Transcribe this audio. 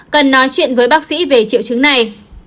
cần nói chuyện với bác sĩ về triệu chứng này